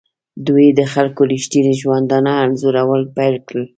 دوی د خلکو ریښتیني ژوندانه انځورول پیل کړل.